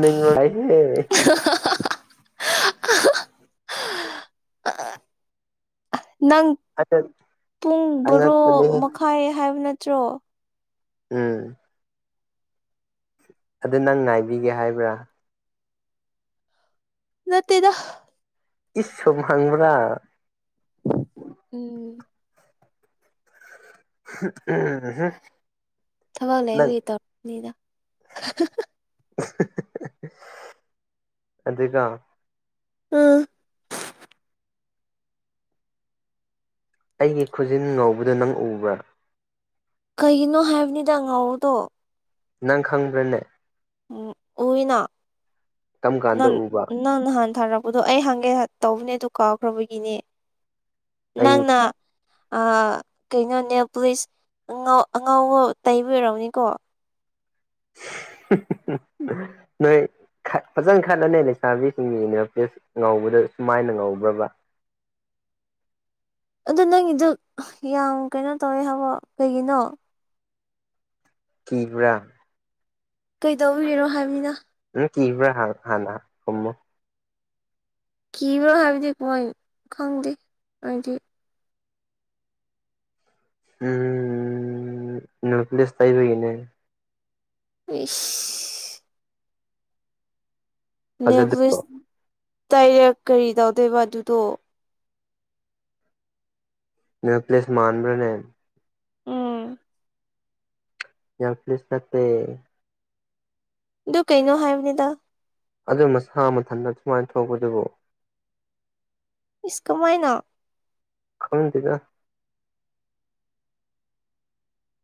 ꯅꯤꯡꯉꯦ [inaudible] [inaudible] ꯎꯝ [inaudible] ꯅꯪ ꯄꯨꯡ ꯕꯣꯔꯣ ꯑꯉꯛꯄꯅꯦꯍꯦ ꯃꯈꯥꯏ ꯍꯥꯏꯕ ꯅꯠꯇ꯭ꯔꯣ ꯎꯝ ꯑꯗꯨ ꯅꯪ ꯉꯥꯏꯕꯤꯒꯦ ꯍꯥꯏꯕ꯭ꯔꯥ ꯅꯠꯇꯦꯗ ꯏꯁ ꯁꯨꯝ ꯍꯪꯕ꯭ꯔꯥ ꯎꯝ ꯎ [inaudible] ꯊꯕꯥꯛ ꯂꯩꯕꯤ ꯇꯧꯔꯅꯤꯗ [inaudible] ꯑꯗꯨꯒꯣ ꯎꯝ ꯑꯩꯒꯤ ꯈꯨꯖꯤꯟ ꯉꯧꯕꯗ ꯅꯪ ꯎꯕ꯭ꯔꯥ ꯀꯩꯒꯤꯅꯣ ꯍꯥꯏꯕꯅꯤꯗ ꯉꯥꯎꯗꯣ ꯅꯪꯈꯪꯕ꯭ꯔꯅꯦ ꯎꯝ ꯍꯅ ꯇꯝ ꯀꯥꯟꯗ ꯎꯕꯔ ꯅꯪ ꯅꯍꯥꯟ ꯊꯥꯔꯛꯄꯗꯣ ꯑꯩ ꯍꯪꯒꯦ ꯇꯧꯕꯅꯦ ꯑꯗꯨ ꯀꯥꯎꯈ꯭ꯔꯕꯒꯤꯅꯦ ꯑꯩ ꯅꯪꯅꯥ ꯀꯩꯅꯣꯅꯦ ꯄꯨꯂꯤꯁꯉ ꯑꯉꯥꯎ ꯇꯩꯕꯤꯔꯛꯅꯤꯀꯣ ꯅꯣꯏ ꯐꯖꯅ ꯈꯠꯂꯅꯤ ꯂꯩꯁꯥꯕꯤꯁꯤꯡꯒꯤ ꯌꯨꯅꯤꯚꯔꯇꯦꯁ ꯉꯧꯕꯗ ꯁꯨꯃꯥꯏꯅ ꯉꯧꯕ꯭ꯔꯕ ꯑꯗꯨ ꯅꯪꯒꯤꯗꯨ ꯌꯥꯝ ꯀꯩꯅꯣ ꯇꯧꯋꯦ ꯍꯥꯏꯕꯣ ꯀꯩꯒꯤꯅꯣ ꯀꯤꯕ꯭ꯔꯥ ꯀꯩꯗꯧꯕꯤꯔꯤꯔꯣ ꯍꯥꯏꯕꯅꯤꯅ ꯎꯝ ꯀꯈꯤꯕ꯭ꯔꯥ ꯍ ꯍꯥꯟꯅ ꯍꯣꯃꯣ ꯀꯤꯕ꯭ꯔꯣ ꯍꯥꯏꯕꯗꯤ ꯃꯣꯏ ꯈꯪꯗꯦ ꯍꯥꯏꯗꯤ ꯎꯝ ꯅꯠ꯭ꯂꯦꯁ ꯇꯥꯏꯕꯒꯤꯅꯦ ꯏꯁꯁ ꯐꯖꯗ꯭ꯔꯣ ꯅꯦꯚꯁ ꯇꯗꯥꯏꯔꯦꯛ ꯀꯔꯤ ꯇꯧꯗꯣꯏꯕ ꯑꯗꯨꯗꯣ ꯅ꯭ꯌꯨ ꯄ꯭ꯂꯦꯁ ꯃꯥꯟꯕꯕ꯭ꯔꯅꯦ ꯎꯝ ꯌꯥꯎ ꯄꯂꯤꯁ ꯐꯦ ꯑꯗꯨ ꯀꯩꯅꯣ ꯍꯥꯏꯕꯅꯤꯗ ꯑꯗꯨ ꯃꯁꯥ ꯃꯊꯟꯇ ꯁꯨꯃꯥꯏꯅ ꯊꯣꯛꯄꯗꯨꯕꯨ ꯏꯁ ꯀꯃꯥꯏꯅ ꯈꯥꯎ ꯊꯤꯗ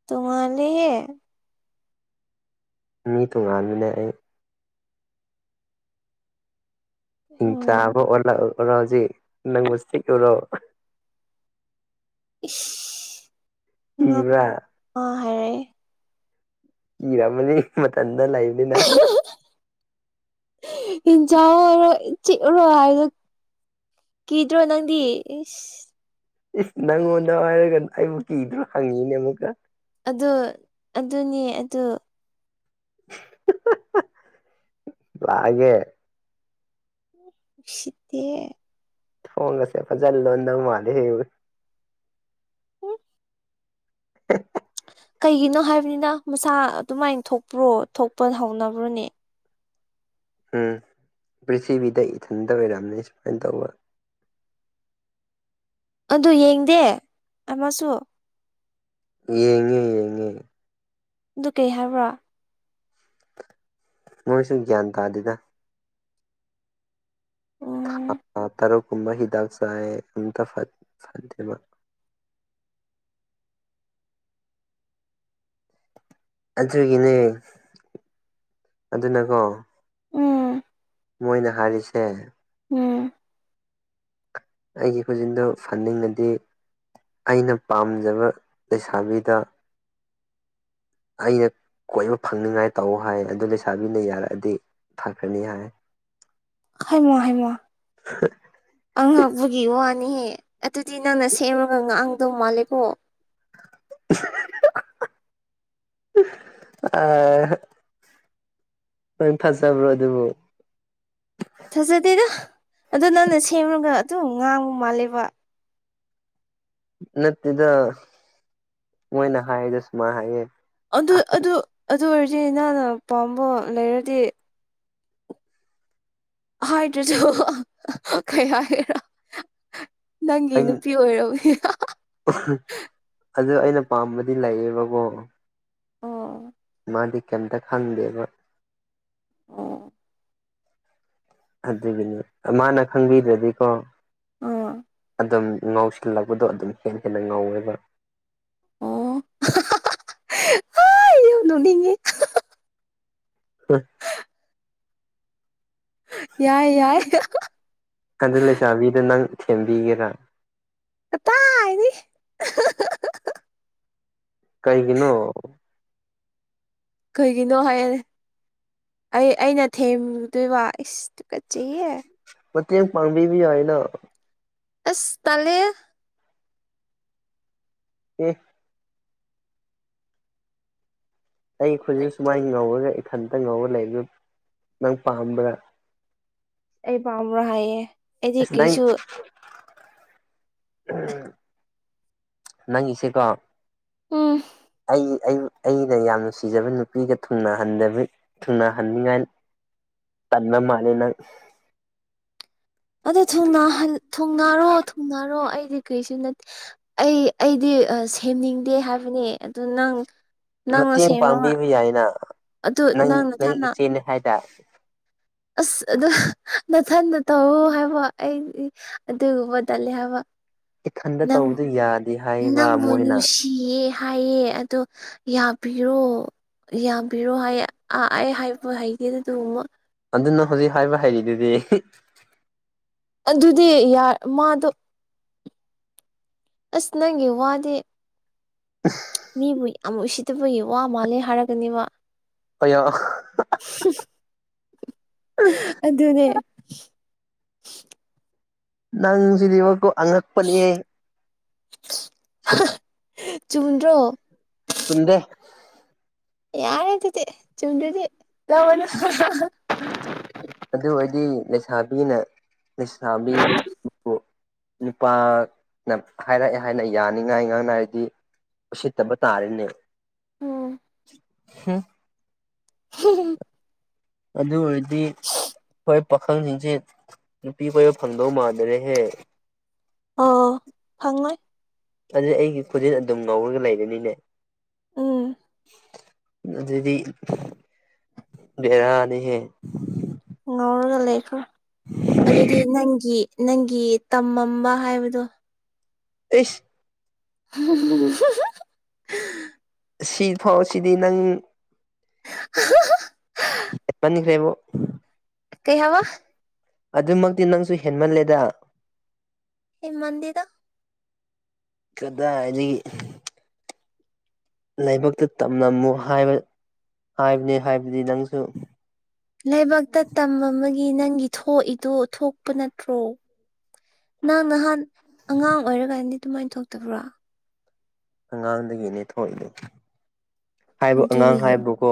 ꯇꯨꯍꯦ ꯍꯦ ꯃꯤ ꯇꯣꯉꯥꯟꯕꯅꯦ ꯑꯩ ꯑꯣ ꯍꯤꯡꯆꯥꯥꯕ ꯑꯣꯔꯂ ꯑꯣꯔꯣ ꯍꯧꯖꯤꯛ ꯅꯪꯕꯨꯤꯛ ꯑꯣꯏꯔꯣ ꯎ ꯀꯤꯕ꯭ꯔꯥ ꯑ ꯏꯤꯔꯝꯃꯅꯤ ꯃꯊꯟꯗ ꯂꯩꯕꯅꯤꯅ ꯏꯖ ꯑꯣꯏꯔ ꯆꯔ ꯍꯥꯏ ꯀꯗ꯭ꯔꯣ ꯅꯗꯤ ꯏ ꯏꯁ ꯅꯪꯉꯣꯟꯗ ꯍꯥꯏꯔꯒ ꯑꯩꯕꯨ ꯀꯤꯗ꯭ꯔꯣ ꯍꯪꯉꯤꯅꯦ ꯑꯃꯨꯛꯀ ꯑꯗꯨ ꯑꯗꯨꯅꯦ ꯑꯗꯨ ꯂꯒꯦ ꯁꯤꯠꯇ ꯐꯣꯡꯉꯁꯦ ꯐꯖꯜ ꯂꯣ ꯅꯧ ꯃꯥꯂꯦ ꯍ ꯎꯝ [unintelligible] ꯀꯩꯒꯤꯅꯣ ꯍꯥꯏꯕꯅꯤꯅ ꯃꯁꯥ ꯑꯗꯨꯃꯥꯏꯅ ꯊꯣꯛꯄ꯭ꯔꯣ ꯊꯣꯛꯄ ꯍꯧꯅꯕ꯭ꯔꯣꯅꯦ ꯎꯝ ꯄ꯭ꯔꯤꯊꯤꯕꯤꯗ ꯏꯊꯟꯇ ꯑꯣꯏꯔꯝꯅꯤ ꯁꯨꯃꯥꯏꯅ ꯇꯧꯕ ꯑꯗꯨ ꯌꯦꯡꯗꯦ ꯑꯃꯁꯨ ꯌꯦꯡꯉꯤ ꯌꯦꯡꯉꯤ ꯑꯗꯨ ꯀꯩ ꯍꯥꯏꯕ꯭ꯔꯣ ꯃꯣꯏꯁꯨ ꯒ꯭ꯌꯥꯟ ꯇꯥꯗ ꯑꯣ ꯊ ꯇꯔꯨꯛ ꯀꯨꯝꯕ ꯍꯤꯗꯥꯛ ꯆꯥꯏ ꯑꯝꯇ ꯐꯠꯇꯦꯕ ꯑꯗꯨꯒꯤꯅꯦ ꯑꯗꯨꯅꯀꯣ ꯎꯝ ꯃꯣꯏꯅ ꯍꯥꯏꯔꯤꯁꯦ ꯎꯝ ꯑꯩꯒꯤ ꯈꯨꯖꯤꯟꯗꯣ ꯐꯟꯅꯤꯡꯉꯗꯤ ꯑꯩꯅ ꯄꯥꯝꯖꯕ ꯂꯩꯁꯥꯕꯤꯗ ꯑꯩꯅ ꯀꯣꯏꯕ ꯐꯪꯅꯤꯡꯉꯥꯏ ꯇꯧ ꯍꯥꯏ ꯑꯗꯨ ꯂꯩꯁꯥꯕꯤꯅ ꯌꯥꯔꯛꯑꯗꯤ ꯐꯈ꯭ꯔꯅꯤ ꯍꯥꯏ ꯍꯥꯏꯃꯣ ꯍꯥꯏꯃꯣ ꯑꯉꯛꯄꯒꯤ ꯋꯥꯅꯤꯍꯦ ꯑꯗꯨꯗꯤ ꯅꯪꯅ ꯁꯦꯝꯃꯒ ꯉꯥꯡꯗꯧ ꯃꯥꯜꯂꯦꯀꯣ [unintelligible] ꯑ [unintelligible] ꯊꯖꯕ꯭ꯔꯣ ꯑꯗꯨꯕꯨ ꯊꯥꯖꯗꯦꯗ ꯑꯗꯣ ꯅꯪꯅ ꯁꯦꯝꯔꯒ ꯑꯗꯨ ꯉꯥꯡꯕ ꯃꯥꯜꯂꯦꯕ ꯅꯠꯇꯦꯗ ꯃꯣꯏꯅ ꯍꯥꯏꯌꯦꯗ ꯁꯨꯃꯥꯏꯅ ꯍꯥꯏꯌꯦ ꯑꯗꯨ ꯑꯗꯨ ꯑꯗꯨ ꯑꯣꯏꯔꯗꯤ ꯅꯅ ꯄꯥꯝꯕ ꯂꯩꯔꯗꯤ ꯍꯥꯏꯗ꯭ꯔꯁꯨ [unintelligible] ꯀꯩ ꯍꯥꯏꯒꯦꯔꯥ ꯅꯪꯒꯤ ꯑꯩ ꯅꯨꯄꯤ ꯑꯣꯏꯔꯕꯌꯥ [unintelligible] [unintelligible] ꯑꯗꯨ ꯑꯩꯅ ꯄꯥꯝꯕꯗꯤ ꯂꯩꯌꯦꯕꯀꯣ ꯑꯣ ꯃꯥꯗꯤ ꯀꯩꯝꯇ ꯈꯪꯗꯦꯕ ꯑꯣ ꯑꯗꯨꯒꯤꯅꯤ ꯃꯥꯅ ꯈꯪꯕꯤꯗ꯭ꯔꯗꯤꯀꯣ ꯑꯣ ꯑꯗꯨꯝ ꯉꯥꯎꯁꯤꯜꯂꯛꯄꯗꯣ ꯑꯗꯨꯝ ꯍꯦꯟꯅ ꯍꯦꯟꯅ ꯉꯥꯎꯋꯦꯕ ꯑꯣ [unintelligible] ꯑꯩ ꯌꯥ ꯅꯨꯛꯅꯤꯡꯉꯤ [unintelligible] ꯌꯥꯏ ꯌꯥꯏ [unintelligible] ꯗ ꯂꯩꯁꯥꯕꯤꯗ ꯅꯪ ꯊꯦꯝꯕꯤꯒꯦꯔꯥ ꯀꯇꯥꯏꯗꯤ [unintelligible] ꯀꯩꯒꯤꯅꯣ ꯀꯩꯒꯤꯅꯣ ꯍꯥꯏꯌꯦ ꯑꯩ ꯑꯩꯅ ꯊꯦꯝꯨꯗꯣꯏꯕ ꯏꯁꯇ ꯀꯆꯤꯌꯦ ꯃꯇꯦꯡ ꯄꯥꯡꯕꯤꯕ ꯌꯥꯏꯅ ꯑꯁ ꯇꯂꯦ ꯏ ꯑꯩ ꯈꯨꯖꯤꯛ ꯁꯨꯃꯥꯏꯅ ꯉꯧꯔꯒ ꯏꯊꯟꯇ ꯉꯧꯔ ꯂꯩꯕ ꯅꯪ ꯄꯥꯝꯕ꯭ꯔꯥ ꯑꯩ ꯄꯥꯝꯕ꯭ꯔꯣ ꯍꯥꯏꯌꯦ ꯑꯩꯗꯤ ꯑꯁ ꯅꯪ ꯀꯔꯤꯁꯨ ꯎꯝ ꯅꯪꯉꯤꯁꯤꯀꯣ ꯎꯝ ꯑꯩ ꯑꯩ ꯑꯩꯅ ꯌꯥꯝ ꯅꯨꯡꯁꯤꯖꯕ ꯅꯨꯄꯤꯒ ꯊꯨꯡꯅꯍꯟꯗꯕꯤ ꯊꯨꯡꯅꯍꯟꯅꯤꯡꯉꯥꯏ ꯇꯟꯕ ꯃꯥꯂꯦ ꯅꯪ ꯑꯗꯨ ꯊꯨꯡꯅꯍꯟ ꯊꯨꯡꯅꯥꯔꯣ ꯊꯨꯡꯅꯥꯔꯣ ꯑꯩꯗꯤ ꯀꯩꯁꯨ ꯅꯠꯇꯦ ꯑꯩ ꯑꯩꯗꯤ ꯁꯦꯝꯅꯤꯡꯗꯦ ꯍꯥꯏꯕꯅꯦ ꯑꯗꯨ ꯅꯪ ꯅꯪꯅ ꯃꯇꯦꯡ ꯁꯦꯝꯃꯣ ꯄꯥꯡꯕꯤꯕ ꯌꯥꯏꯅ ꯑꯗꯨ ꯅꯪ ꯅꯪ ꯅꯊꯟꯅ ꯏꯆꯦꯅꯦ ꯍꯥꯏꯗꯥꯏ ꯑꯁ ꯑꯗꯨ ꯅꯊꯟꯟꯅ ꯇꯧꯋꯣ ꯍꯥꯏꯕ ꯑꯩꯗꯤ ꯑꯗꯨꯒꯨꯝꯕ ꯇꯜꯂꯦ ꯍꯥꯏꯕ ꯏꯊꯟꯗ ꯅꯪ ꯇꯧꯕꯗꯤ ꯌꯥꯗꯦ ꯍꯥꯏꯕ ꯃꯣꯏꯅ [unintelligible] ꯌꯦ ꯍꯥꯏꯌꯦ ꯑꯗꯣ ꯌꯥꯕꯤꯔꯣ ꯌꯥꯕꯤꯔꯣ ꯍꯥꯏꯌꯦ ꯑ ꯑꯩ ꯍꯥꯏꯕ ꯍꯩꯇꯦꯗ ꯑꯗꯨꯒꯨꯝꯕ ꯑꯗꯨ ꯅꯪ ꯍꯧꯖꯤꯛ ꯍꯥꯏꯕ ꯍꯩꯔꯤꯗꯨꯗꯤ [unintelligible] ꯑꯗꯨꯗꯤ ꯌꯥꯔ ꯃꯥꯗꯣ ꯑꯁ ꯅꯪꯒꯤ ꯋꯥꯗꯤ [unintelligible] ꯃꯤꯕꯨ ꯌꯥꯝ ꯎꯁꯤꯠꯗꯕꯒꯤ ꯋꯥ ꯃꯥꯜꯂꯦ ꯍꯥꯏꯔꯀꯅꯤꯃ ꯑꯩꯌꯥ ꯍꯨꯞꯁ ꯑꯗꯨꯅꯦ ꯅꯪꯁꯤꯗꯤꯕꯀꯣ ꯑꯉꯛꯄꯅꯤꯍꯦ ꯍꯍ ꯆꯨꯝꯗ꯭ꯔꯣ ꯆꯨꯝꯗꯦ ꯌꯥꯔꯦ ꯑꯗꯨꯗꯤ ꯆꯨꯝꯗ꯭ꯔꯗꯤ ꯂꯧꯔꯅꯨ ꯍꯥ ꯍꯥ ꯍꯥ ꯑꯗꯨ ꯑꯣꯏꯗꯤ ꯂꯩꯁꯥꯕꯤꯅ ꯂꯩꯁꯥꯕꯤꯕꯨ ꯅꯨꯄꯥꯅ ꯍꯥꯏꯔꯛꯑꯦ ꯍꯥꯏꯅ ꯌꯥꯅꯤꯡꯉꯥꯏ ꯉꯥꯡꯅꯔꯗꯤ ꯎꯁꯤꯠꯇꯕ ꯇꯥꯔꯦꯅꯦ ꯎꯝ ꯍꯨꯝ ꯍꯨꯝ ꯍꯨꯝ ꯍꯨꯝ ꯑꯗꯨ ꯑꯣꯏꯔꯗꯤ ꯄꯥ ꯈꯪꯁꯤꯡꯁꯦ ꯅꯨꯄꯤ ꯀꯣꯏꯕ ꯐꯪꯗꯧ ꯃꯥꯟꯗꯔꯦꯍꯦ ꯑꯣ ꯐꯪꯉꯣꯏ ꯑꯗꯨꯗꯤ ꯑꯩꯒꯤ ꯈꯨꯖꯤꯜ ꯑꯗꯨꯝ ꯉꯧꯔꯒ ꯂꯩꯔꯅꯤꯅꯦ ꯎꯝ ꯑꯗꯨꯗꯤ ꯕꯦꯔꯥꯅꯤꯍꯦ ꯉꯧꯔꯒ ꯂꯩꯈ꯭ꯔꯣ ꯑꯗꯨꯗꯤ ꯅꯪꯒꯤ ꯅꯪꯒꯤ ꯇꯝꯃꯝꯕ ꯍꯥꯏꯕꯗꯣ ꯑꯩꯁ [unintelligible] ꯁꯤ ꯐꯥꯎ ꯁꯤꯗꯤ ꯅꯪ [unintelligible] ꯄꯟꯈ꯭ꯔꯦꯕꯣ ꯀꯩ ꯍꯥꯏꯕ ꯑꯗꯨꯃꯛꯇꯤ ꯅꯪꯁꯨ ꯍꯦꯟꯃꯟꯂꯦꯗ ꯍꯦꯟꯃꯟꯗꯦꯗ ꯀꯗꯥꯏꯗꯒꯤ ꯂꯥꯏꯕꯛꯇ ꯇꯝꯂꯝꯃꯨ ꯍꯥꯏꯕ ꯍꯥꯏꯕꯅꯦ ꯍꯥꯏꯕꯗꯤ ꯅꯪꯁꯨ ꯂꯥꯏꯕꯛꯇ ꯇꯝ ꯃꯝꯕꯒꯤ ꯅꯪꯒꯤ ꯊꯣꯛꯏꯗꯨ ꯊꯣꯛꯄ ꯅꯠꯇ꯭ꯔꯣ ꯅꯪ ꯅꯍꯥꯟ ꯑꯉꯥꯡ ꯑꯣꯏꯔꯀꯥꯟꯗꯗꯤ ꯑꯗꯨꯃꯥꯏꯟ ꯊꯣꯛꯇꯕ꯭ꯔꯣ ꯑꯉꯥꯡꯗꯒꯤꯅꯦ ꯊꯣꯛꯏꯗꯣ ꯍꯥꯏꯕ ꯑꯉꯥꯡ ꯑꯗꯨꯅꯤꯅ ꯍꯥꯏꯕꯨꯀꯣ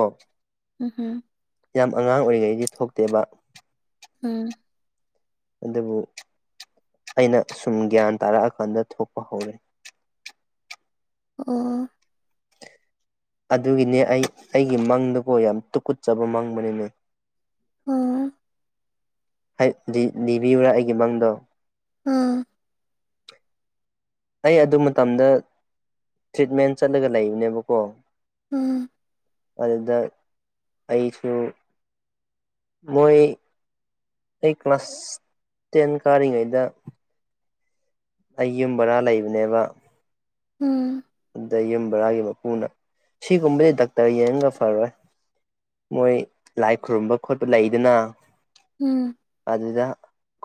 ꯎꯝ ꯌꯥꯝ ꯑꯉꯥꯡ ꯑꯣꯏꯔꯤꯉꯩꯗꯤ ꯊꯣꯛꯇꯦꯕ ꯎꯝ ꯑꯗꯨꯕꯨ ꯑꯩꯅ ꯁꯨꯝ ꯒ꯭ꯌꯥꯟ ꯇꯥꯔꯛꯑꯀꯥꯟꯗ ꯊꯣꯛꯄ ꯍꯧꯔꯦ ꯑꯣ ꯑꯗꯨꯒꯤꯅꯦ ꯑꯩ ꯑꯩꯒꯤ ꯃꯪꯗꯨꯀꯣ ꯌꯥꯝ ꯇꯨꯀꯨꯠꯆꯕ ꯃꯪꯕꯅꯤꯅꯦ ꯑꯣ ꯍꯥꯏ ꯂꯤ ꯂꯤꯕꯤꯌꯨꯔꯥ ꯑꯩꯒꯤ ꯃꯡꯗꯣ ꯑꯥ ꯑꯩ ꯑꯗꯨ ꯃꯇꯝꯗ ꯇ꯭ꯔꯤꯠꯃꯦꯟ ꯆꯠꯂꯒ ꯂꯩꯕꯅꯦꯕꯀꯣ ꯎꯝ ꯑꯗꯨꯗ ꯑꯩꯁꯨ ꯃꯣꯏ ꯑꯩ ꯀ꯭ꯂꯥꯁ ꯇꯦꯟ ꯀꯥꯔꯤꯉꯩꯗ ꯑꯩ ꯌꯨꯝ ꯕꯔꯥ ꯂꯩꯕꯅꯦꯕ ꯎꯝ ꯑꯗꯨꯗ ꯌꯨꯝ ꯕꯔꯥꯒꯤ ꯃꯄꯨꯅ ꯁꯤꯒꯨꯝꯕꯗꯤ ꯗꯥꯛꯇꯔ ꯌꯦꯡꯒ ꯐꯔꯣꯏ ꯃꯣꯏ ꯂꯥꯏ ꯈꯨꯔꯨꯝꯕ ꯈꯣꯠꯄ ꯂꯩꯗꯅ ꯎꯝ ꯑꯗꯨꯗ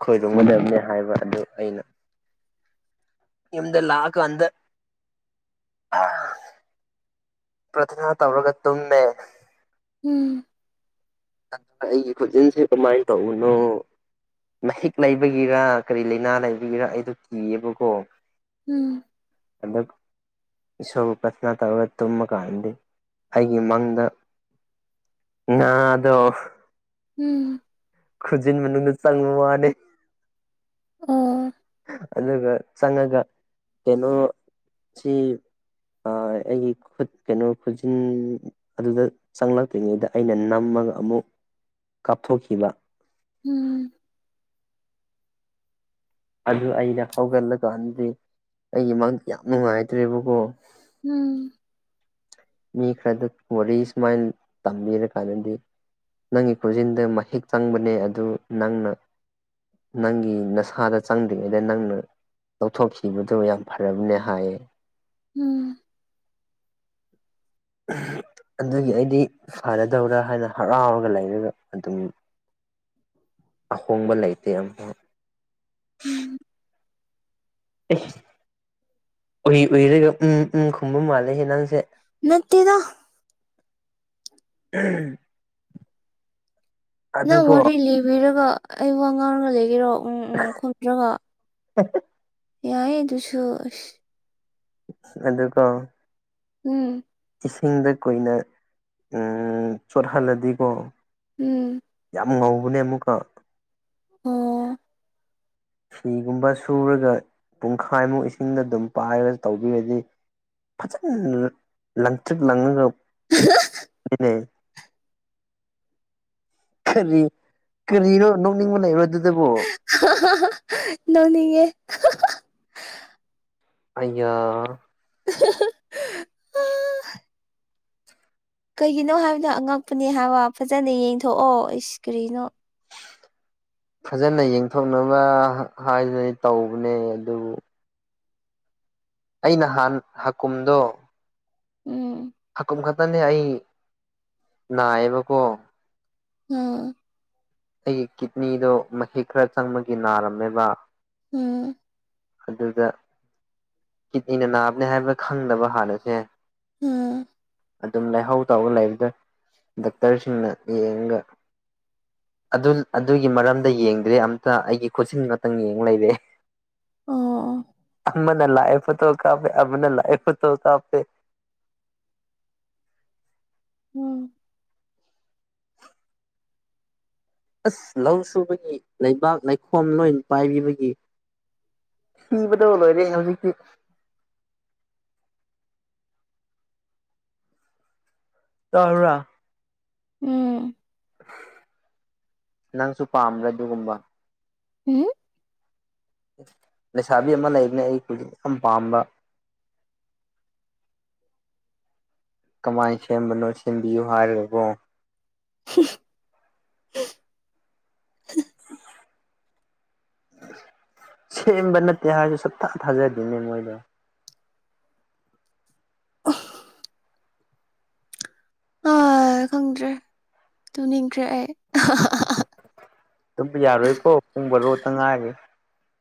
ꯈꯣꯏꯔꯨꯝꯒꯗꯕꯅꯤ ꯍꯥꯏꯕ ꯑꯗꯨ ꯑꯩꯅ ꯌꯨꯝꯗ ꯂꯥꯛꯑ ꯀꯥꯟꯗ [unintelligible] ꯄ꯭ꯔꯊꯅꯥ ꯇꯧꯔꯒ ꯇꯨꯝꯃꯦ ꯎꯝ ꯑ ꯑꯩꯒꯤ ꯈꯨꯖꯤꯤꯟꯁꯦ ꯀꯃꯥꯏꯅ ꯇꯧꯕꯅꯣ ꯃꯍꯤꯛ ꯂꯩꯕꯒꯤꯔ ꯀꯔꯤ ꯂꯩꯥꯏꯅꯥ ꯂꯩꯕꯒꯤꯔ ꯑꯩꯗꯣ ꯀꯤꯌꯦꯕꯀꯣ ꯎꯝ ꯑꯗꯛ ꯏꯁꯣꯔꯕꯨ ꯄꯊꯅꯥ ꯇꯧꯔꯒ ꯇꯨꯝꯃ ꯀꯥꯟꯗꯤ ꯑꯩꯒꯤ ꯃꯪꯗ ꯅꯗꯣ ꯎꯝ ꯈꯨꯖꯤꯟ ꯃꯅꯨꯡꯗ ꯆꯪꯕ ꯃꯥꯅꯤ ꯑꯣ ꯑꯗꯨꯒ ꯆꯪꯉꯒ ꯀꯩꯅꯣ ꯁꯤ ꯑꯩꯒꯤ ꯈꯨꯠ ꯀꯩꯅꯣ ꯈꯨꯖꯤꯟ ꯑꯗꯨꯗ ꯆꯪꯂꯛꯇ꯭ꯔꯤꯉꯩꯗ ꯑꯩꯅ ꯅꯝꯃꯒ ꯑꯃꯨꯛ ꯀꯥꯞꯊꯣꯛꯈꯤꯕ ꯎꯝ ꯑꯗꯨ ꯑꯩꯅ ꯍꯧꯒꯠꯂꯀꯥꯟꯗꯗꯤ ꯑꯩꯒꯤ ꯃꯪꯗꯤ ꯌꯥꯝ ꯅꯨꯡꯉꯥꯏꯇ꯭ꯔꯦꯕꯀꯣ ꯎꯝ ꯃꯤ ꯈꯔꯗ ꯋꯥꯔꯤ ꯁꯨꯃꯥꯏꯅ ꯇꯝꯕꯤꯔꯀꯥꯟꯗꯗꯤ ꯅꯪꯒꯤ ꯈꯣꯟꯖꯤꯟꯗ ꯃꯍꯤꯛ ꯆꯪꯕꯅꯦ ꯑꯗꯨ ꯅꯪꯅ ꯅꯪꯒꯤ ꯅꯁꯥꯗ ꯆꯪꯗ꯭ꯔꯤꯉꯩꯗ ꯅꯪꯅ ꯂꯧꯊꯣꯛꯈꯤꯕꯗꯨ ꯌꯥꯝ ꯐꯔꯕꯅꯦ ꯍꯥꯏꯌꯦ ꯎꯝ ꯑꯗꯒꯤ ꯑꯩꯗꯤ ꯐꯔꯗꯧꯔꯥ ꯍꯥꯏꯅ ꯍꯔꯥꯎꯔꯒ ꯂꯩꯔꯒ ꯑꯗꯨꯝ ꯑꯍꯣꯡꯕ ꯂꯩꯇꯦ ꯑꯃꯛ ꯎꯝ ꯑꯦ ꯎꯏ ꯎꯏꯔꯒ ꯎꯝ ꯎꯝ ꯈꯨꯝꯕ ꯃꯥꯜꯂꯦꯍꯦ ꯅꯪꯁꯦ ꯅꯠꯇꯦꯗ ꯎꯝ ꯅꯪ ꯑꯗꯨꯀꯣ ꯋꯥꯔꯤ ꯂꯤꯕꯤꯔꯒ ꯑꯩ ꯋꯥ ꯉꯥꯡꯔꯒ ꯂꯩꯒꯦꯔꯣ ꯎꯝ ꯎꯝ ꯈꯨꯝꯗ꯭ꯔꯒ ꯌꯥ ꯑꯗꯨꯁꯨ ꯑꯗꯨꯀꯣ ꯎꯝ ꯏꯁꯤꯡꯗ ꯀꯨꯏꯅ ꯆꯣꯠꯍꯜꯂꯗꯤꯀꯣ ꯎꯝ ꯌꯥꯝ ꯉꯧꯕꯅꯦ ꯑꯃꯨꯛꯀ ꯑꯣ ꯐꯤꯒꯨꯝꯕ ꯁꯨꯔꯒ ꯄꯨꯡꯈꯥꯏꯃꯨꯛ ꯏꯁꯤꯡꯗ ꯑꯗꯨꯝ ꯄꯥꯏꯔꯒ ꯇꯧꯕꯤꯔꯗꯤ ꯐꯖꯅ ꯂꯪꯊ꯭ꯔꯤꯛꯂꯥꯡꯅꯅꯦ ꯀꯔꯤ ꯀꯔꯤꯅꯣ ꯅꯣꯛꯅꯤꯡꯕ ꯂꯩꯕ ꯑꯗꯨꯗꯕꯨꯣ ꯅꯧꯅꯤꯡꯦ ꯑꯌꯥ [unintelligible] ꯀꯩꯒꯤꯅꯣ ꯍꯥꯏꯕꯗꯣ ꯑꯉꯛꯄꯅꯦ ꯍꯥꯏꯕ ꯐꯖꯅ ꯌꯦꯡꯊꯣꯛꯑꯣ ꯀꯔꯤꯅꯣ ꯐꯖꯅ ꯌꯦꯡꯊꯣꯛꯅꯕ ꯍꯥꯏꯗꯨꯅ ꯇꯧꯕꯅꯦ ꯑꯗꯨꯕꯨ ꯑ ꯅꯍꯥꯟ ꯍꯥꯀꯨꯝꯗꯣ ꯎꯝ ꯍꯥꯀꯝ ꯈꯛꯇꯅꯦ ꯑꯩ ꯅꯥꯏꯌꯦꯕꯀꯣ ꯑꯣ ꯑꯩꯒꯤ ꯀꯤꯠꯅꯤꯗꯣ ꯃꯍꯤꯛ ꯈꯔ ꯆꯪꯕꯒꯤ ꯅꯥꯔꯝꯃꯦꯕ ꯎꯝ ꯑꯗꯨꯗ ꯀꯤꯠꯅꯤꯅ ꯅꯥꯕꯅꯦ ꯍꯥꯏꯕ ꯈꯪꯗꯕ ꯍꯥꯟꯅꯁꯦ ꯎꯝ ꯑꯗꯨꯝ ꯂꯩꯍꯥꯎ ꯇꯧꯔꯒ ꯂꯩꯔꯗ꯭ꯔꯥ ꯗꯣꯛꯇꯔꯁꯤꯡꯅ ꯌꯦꯡꯉꯒ ꯑꯗꯨ ꯑꯗꯨꯒꯤ ꯃꯔꯝꯗ ꯌꯦꯡꯗ꯭ꯔꯦ ꯑꯝꯇ ꯑꯩꯒꯤ ꯈꯨꯠꯁꯤ ꯑꯃꯇꯪ ꯌꯦꯡ ꯂꯩꯔꯦ ꯑꯣ ꯑꯝꯅ ꯂꯥꯛꯑ‌ꯦ ꯐ‌ꯣꯇ‍ꯣ ꯀꯄꯦ ꯑꯃꯅ ꯂꯥꯛꯑ‌ꯦ ꯐꯇ‌ꯣ ꯀ‌ꯄ‌ꯦ ꯎꯝ ꯑꯁ ꯂꯧ ꯁꯨꯕꯒꯤ ꯂꯩꯕꯥꯛ ꯂꯩꯈꯣꯝ ꯂꯣꯏ ꯄꯥꯏꯕꯤꯕꯒꯤ ꯊꯤꯕꯗꯧꯂꯣꯔꯦ ꯍꯧꯖꯤꯛꯀꯤ ꯇꯥꯕ꯭ꯔꯥ ꯎꯝ ꯅꯪꯁꯨ ꯄꯥꯝꯕ꯭ꯔꯥ ꯑꯗꯨꯒꯨꯝꯕ ꯎꯝ ꯂꯩꯁꯥꯕꯤ ꯑꯃ ꯂꯩꯕꯅꯦ ꯑꯩ ꯍꯧꯖꯤꯛ ꯌꯥꯝ ꯄꯥꯝꯕ ꯀꯃꯥꯏꯅ ꯁꯦꯝꯕꯅꯣ ꯁꯦꯝꯕꯤꯌꯨ ꯍꯥꯏꯔꯔꯕꯣ [inaudible] [inaudible] ꯁꯦꯝꯕ ꯅꯠꯇꯦ ꯍꯥꯏꯁꯨ ꯁꯨꯛꯊꯥ ꯊꯥꯖꯗꯅꯦ ꯃꯣꯏꯗꯣ ꯑꯐ [inaudible] ꯑ ꯈꯪꯗ꯭ꯔꯦ ꯇꯨꯝꯅꯤꯡꯈ꯭ꯔꯦ ꯑꯩ [unintelligible] ꯑꯗꯨꯝ ꯌꯥꯔꯣꯏꯀꯣ ꯄꯨꯡ ꯔꯣꯇꯪ ꯉꯥꯏꯑꯒꯦ